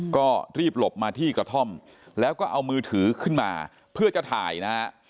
ก็รีบหลบมาที่กระท่อมแล้วก็เอามือถือขึ้นมาเพื่อจะถ่ายนะฮะ